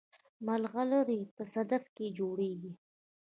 ملغلرې په صدف کې جوړیږي